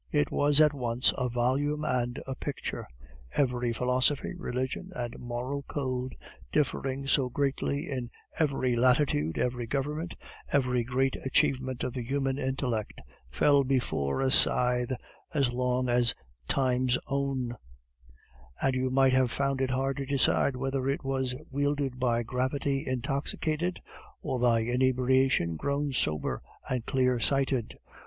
It was at once a volume and a picture. Every philosophy, religion, and moral code differing so greatly in every latitude, every government, every great achievement of the human intellect, fell before a scythe as long as Time's own; and you might have found it hard to decide whether it was wielded by Gravity intoxicated, or by Inebriation grown sober and clear sighted.